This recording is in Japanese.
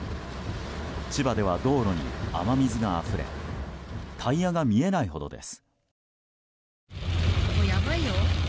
千葉では道路に雨水があふれタイヤが見えないほどです。